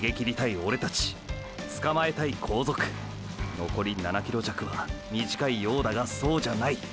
のこり７ｋｍ弱は短いようだがそうじゃない。